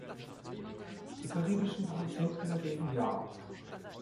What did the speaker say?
Die karibischen Produzenten dagegen ja.